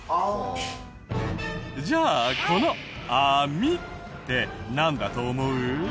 じゃあこの「あみ」ってなんだと思う？